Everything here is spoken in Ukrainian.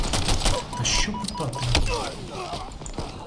Та що питати її?